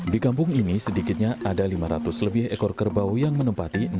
di kampung ini sedikitnya ada lima ratus lebih ekor kerbau yang menempati